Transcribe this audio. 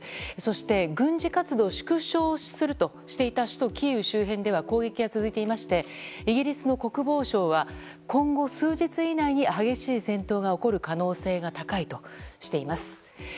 そして軍事活動を縮小するとしていた首都キーウ周辺では攻撃が続いていましてイギリスの国防省は今後、数日以内に激しい戦闘が起こる可能性が高いとしています。